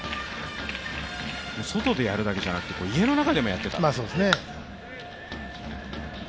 外でやるだけじゃなくて家の中でもやってた。